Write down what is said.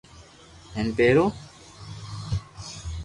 ھون پيرو